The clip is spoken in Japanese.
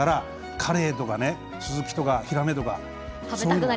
カレイとかスズキとかヒラメとか。